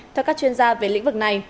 theo các chuyên gia về lĩnh vực này